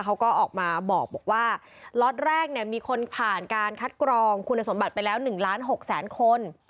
เขาก็ออกมาบอกว่าล็อตแรกมีคนผ่านการคัดกรองคุณสมบัติไปแล้ว๑ล้าน๖แสนคน